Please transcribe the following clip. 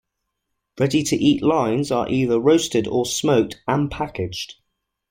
Ready-to-eat lines are either roasted or smoked and packaged.